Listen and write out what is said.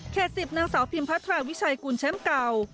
เขตสิบนางสาวพิมพ์พระทราควิชัยกุลแชมป์เก่า